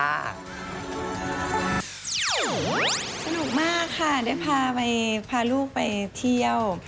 สนุกมากค่ะได้พาลูกไปเที่ยว